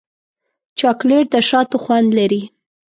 چاکلېټ د شاتو خوند لري.